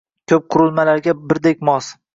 Ko’p qurilmalarga birdek mos